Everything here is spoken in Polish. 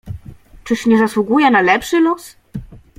"Czyż nie zasługuję na lepszy los?"